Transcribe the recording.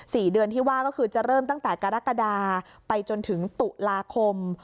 เดือนที่ว่าก็คือจะเริ่มตั้งแต่กรกฎาไปจนถึงตุลาคม